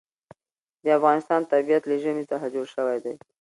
د افغانستان طبیعت له ژمی څخه جوړ شوی دی.